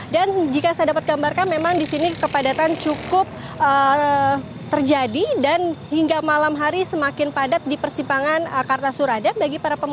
dan jika saya dapat gambarkan memang di sini kepadatan cukup terjadi dan hingga malam hari semakin padat di persimpangan kartasura